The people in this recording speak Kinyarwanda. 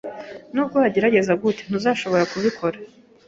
Nubwo wagerageza gute, ntuzashobora kubikora.